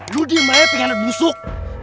lo di rumahnya pengennya busuk